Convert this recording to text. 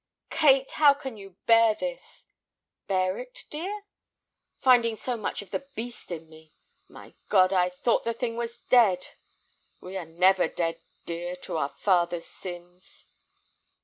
"Kate, how can you bear this!" "Bear it, dear?" "Finding so much of the beast in me. My God, I thought the thing was dead; we are never dead, dear, to our father's sins."